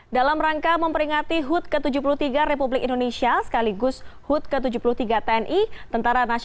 dalam rangka memperingati hud ke tujuh puluh tiga republik indonesia sekaligus hud ke tujuh puluh tiga tni